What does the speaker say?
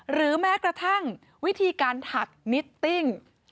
หรือแม้กระทั่งวิธีการถักนิตติ้ง